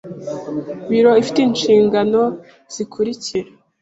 Biro ifite inshingano zikurikira